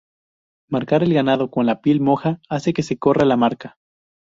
Marcar el ganado con la piel moja hace que se corra la marca.